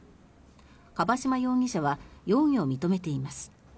樺島容疑者は容疑を認めています。